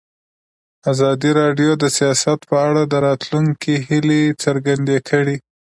ازادي راډیو د سیاست په اړه د راتلونکي هیلې څرګندې کړې.